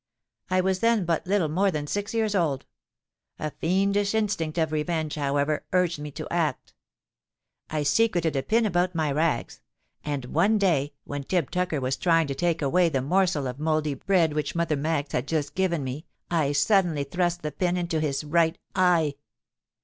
I was then but little more than six years old: a fiendish instinct of revenge, however, urged me to act. I secreted a pin about my rags; and one day when Tib Tucker was trying to take away the morsel of mouldy bread which Mother Maggs had just given me, I suddenly thrust the pin into his right eye.